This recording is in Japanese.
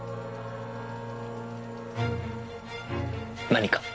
何か？